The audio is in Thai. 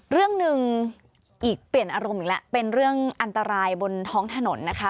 เรื่องหนึ่งอีกเปลี่ยนอารมณ์อีกแล้วเป็นเรื่องอันตรายบนท้องถนนนะคะ